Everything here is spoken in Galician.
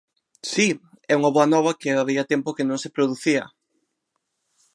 Si, é unha boa nova que había tempo que non se producía.